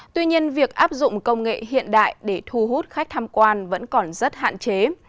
tuy nhiên việc áp dụng công nghệ hiện đại để thu hút khách tham quan vẫn còn rất hạn chế